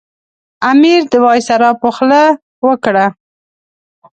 امیر د وایسرا په خوله وکړه.